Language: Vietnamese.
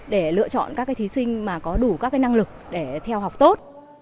để lựa chọn các thí sinh mà có đủ các năng lực để theo học tốt